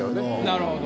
なるほど。